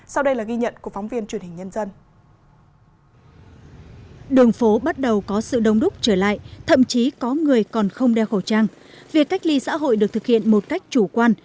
sau đây là ghi nhận của phóng viên truyền hình nhân dân